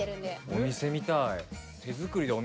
お店みたい。